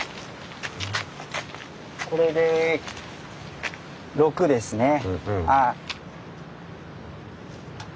これで６ですね。